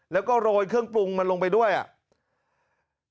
แล้วก็โรยเครื่องปรุงมันลงไปด้วยอ่ะ